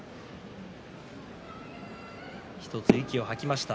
１つ息を吐きました